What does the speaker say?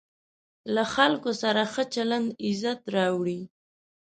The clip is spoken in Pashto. له خلکو سره ښه چلند عزت راوړي.